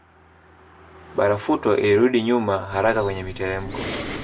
Barafuto ilirudi nyuma haraka kwenye mitelemko